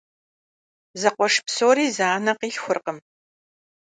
Зэкъуэш псори зы анэ къилъхуркъым.